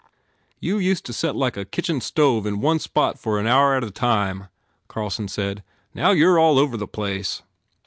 "You used to set like a kitchen stove in one spot for an hour at a time," Carlson said, "Now you re all over the place."